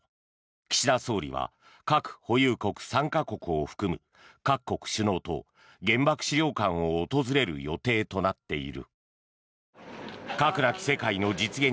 岸田総理は核保有国３か国を含む各国首脳と原爆資料館を訪れる予定となっている。